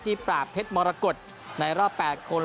ปราบเพชรมรกฏในรอบ๘คน